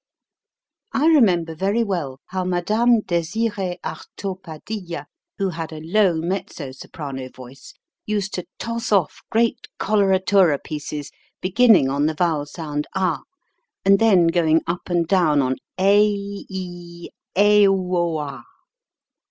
I remember very well how Mme. Desiree Artot Padilla, who had a low mezzo soprano 222 HOW TO SING voice, used to toss off great coloratura pieces, beginning on the vowel sound ah, and then going up and down on a, ee, duoah.